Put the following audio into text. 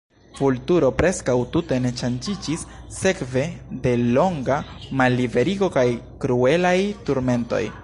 Vulturo preskaŭ tute ne ŝanĝiĝis sekve de longa malliberigo kaj kruelaj turmentoj.